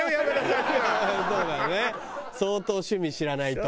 相当趣味知らないと。